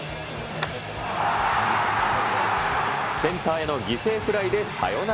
センターへの犠牲フライでサヨナ